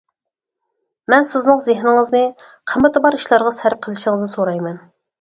مەن سىزنىڭ زېھنىڭىزنى قىممىتى بار ئىشلارغا سەرپ قىلىشىڭىزنى سورايمەن!